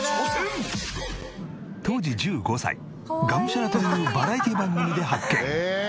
当時１５歳『ガムシャラ！』というバラエティー番組で発見。